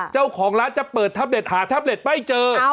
เจ้าของร้านจะเปิดแท็บเต็ตหาแท็บเล็ตไม่เจอ